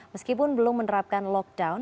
meskipun belum menerapkan lockdown